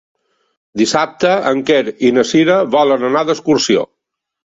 Dissabte en Quer i na Cira volen anar d'excursió.